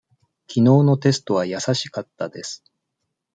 きのうのテストは易しかったです。